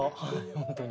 本当に。